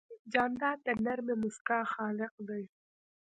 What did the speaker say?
جانداد د نرمې موسکا خالق دی.